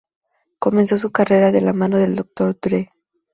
Comenzó su carrera de la mano de Dr. Dre.